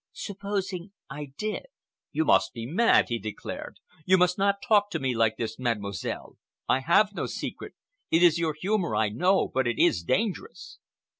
"Supposing I did!" "You must be mad!" he declared. "You must not talk to me like this, Mademoiselle. I have no secret. It is your humor, I know, but it is dangerous."